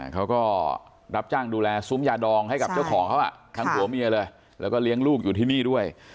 เขาก็รับจ้างดูแลซุ้มยาดองให้กับเจ้าของเขาทั้งผัวเมียเลยแล้วก็เลี้ยงลูกอยู่ที่นี่ด้วย